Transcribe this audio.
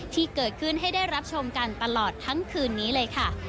ที่เกิดขึ้นให้ได้รับชมกันตลอดทั้งคืนนี้เลยค่ะ